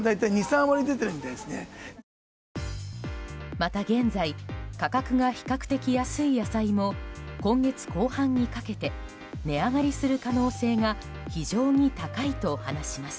また、現在価格が比較的安い野菜も今月後半にかけて値上がりする可能性が非常に高いと話します。